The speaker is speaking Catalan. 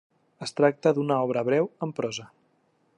Es tracta d'una obra breu, en prosa.